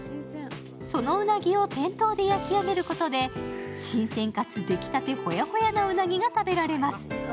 そのうなぎを店頭で焼けき上げることで、新鮮かつホヤホヤなうなぎを食べられます。